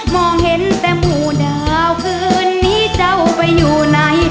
มองเห็นแต่หมู่ดาวคืนนี้เจ้าไปอยู่ไหน